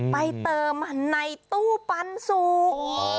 ไปเติมในตู้ปันสุก